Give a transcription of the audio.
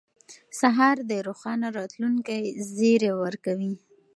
سهار د روښانه راتلونکي زیری ورکوي.